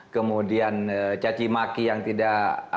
kemudian cacimaki yang tidak